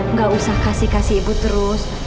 nggak usah kasih kasih ibu terus